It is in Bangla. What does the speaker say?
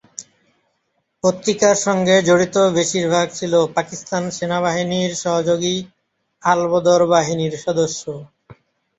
পত্রিকার সঙ্গে জড়িত বেশির ভাগ ছিল পাকিস্তান সেনাবাহিনীর সহযোগী আলবদর বাহিনীর সদস্য।